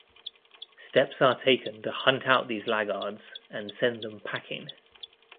Steps are taken to hunt out these laggards and send them packing.